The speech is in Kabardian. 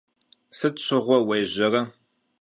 Sıt şığue vuêjere?